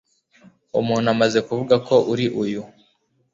umuntu amaze kuvuga ko uri uyu